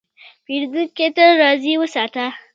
پیرودونکی تل راضي وساته.